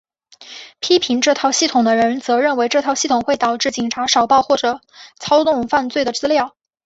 批评这套系统的人则认为这套系统会导致警察少报或操弄犯罪的资料。